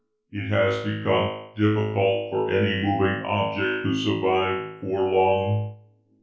It has become difficult for any moving object to survive for long.